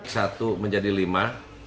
satu menjadi lima